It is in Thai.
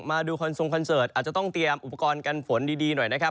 มาดูอาจจะต้องเตรียมอุปกรณ์กันฝนดีดีหน่อยนะครับ